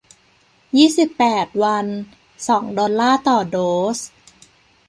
ยี่สิบแปด วัน สอง ดอลลาร์ต่อโดส